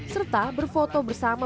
serta berfoto bersama